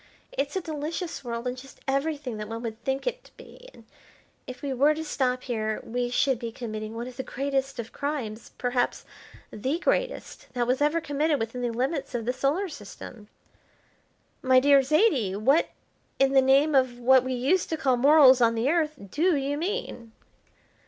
It's a delicious world, and just everything that one would think it to be; but if we were to stop here we should be committing one of the greatest of crimes, perhaps the greatest, that ever was committed within the limits of the Solar System." "My dear Zaidie, what, in the name of what we used to call morals on the Earth, do you mean?"